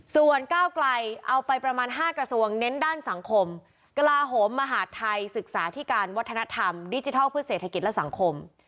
ส่วนก้าวไกลเอาไปประมาณ๕กระทรวงเน้นด้านสังคมกลาโหมมหาดไทยศึกษาที่การวัฒนธรรมดิจิทัลเพื่อเศรษฐกิจและสังคม